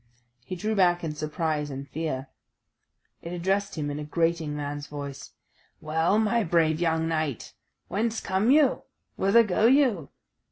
He drew back in surprise and fear. It addressed him in a grating man's voice: "Well, my brave young knight, whence come you? whither go you?